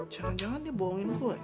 jangan jangan dia bohongin gua nih